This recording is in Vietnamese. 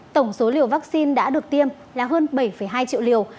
tổng số liều vaccine đã được tiêm là hơn bảy hai triệu liều